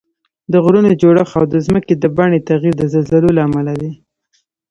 د غرونو جوړښت او د ځمکې د بڼې تغییر د زلزلو له امله دي